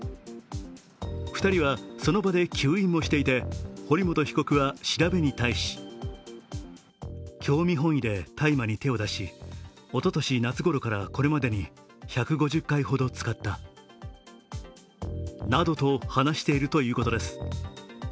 ２人はその場で吸引もしていて、堀本被告は調べに対しなどと話しているということです。